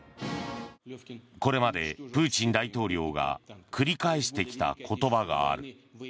これまでプーチン大統領が繰り返してきた言葉がある。